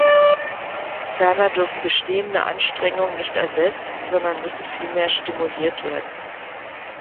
Ferner dürfen bestehende Anstrengungen nicht ersetzt, sondern müssen vielmehr stimuliert werden.